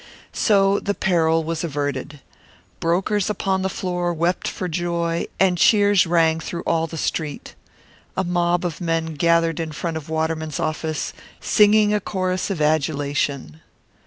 So the peril was averted. Brokers upon the floor wept for joy, and cheers rang through all the Street. A mob of men gathered in front of Waterman's office, singing a chorus of adulation.